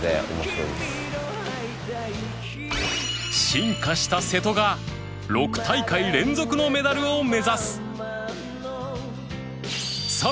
進化した瀬戸が６大会連続のメダルを目指す